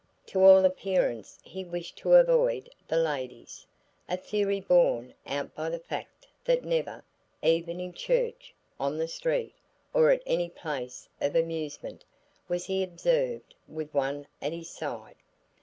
To all appearance he wished to avoid the ladies, a theory borne out by the fact that never, even in church, on the street, or at any place of amusement, was he observed with one at his side.